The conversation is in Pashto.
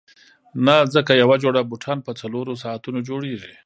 نه ځکه یوه جوړه بوټان په څلورو ساعتونو جوړیږي.